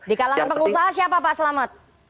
di kalangan pengusaha siapa pak selamat